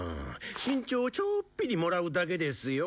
身長をちょっぴりもらうだけですよ。